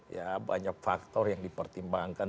ya banyak faktor yang dipertimbangkan